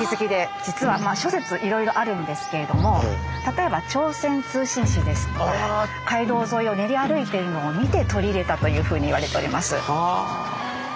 実は諸説いろいろあるんですけれども例えば朝鮮通信使ですとか街道沿いを練り歩いているのを見て取り入れたというふうにいわれております。